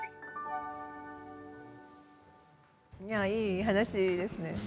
いい話ですね。